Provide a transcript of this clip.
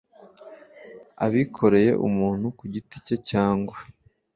abikoreye umuntu ku giti cye cyangwa